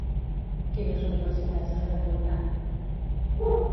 Quines universitats ha freqüentat?